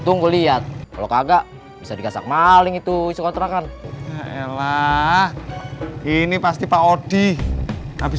tunggu lihat kalau kagak bisa dikasak maling itu suka terakan elah ini pasti pak odi habis